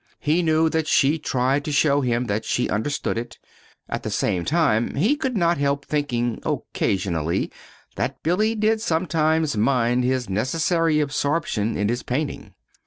He knew that she tried to show him that she understood it. At the same time, he could not help thinking, occasionally, that Billy did sometimes mind his necessary absorption in his painting.